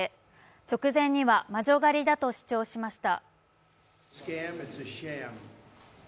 直前には魔女狩りだと主張しました。